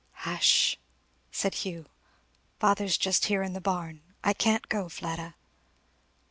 "Hush! " said Hugh. "Father's just here in the barn. I can't go, Fleda."